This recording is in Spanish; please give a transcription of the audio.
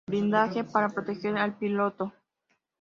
Blindaje para proteger al piloto.